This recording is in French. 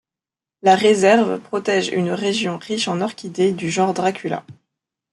La réserve protège une région riche en orchidées du genre Dracula.